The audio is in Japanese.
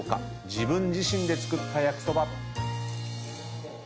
自分自身で作った焼きそば。